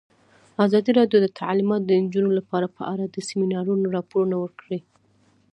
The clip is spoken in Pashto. ازادي راډیو د تعلیمات د نجونو لپاره په اړه د سیمینارونو راپورونه ورکړي.